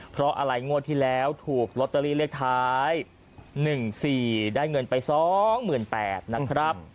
เพราะอะไรงวดที่แล้วถูกลอตเตอรี่เลขท้ายหนึ่งสี่ได้เงินไปสองเหมือนแปดนะครับ